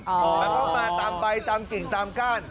มันต้องมาตามใบตามกิ่งตามก้าน